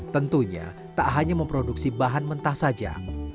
tentunya tak hanya memproduksi bahan mentah saja